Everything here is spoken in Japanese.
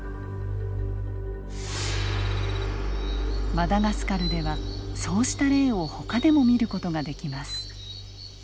マダガスカルではそうした例をほかでも見る事ができます。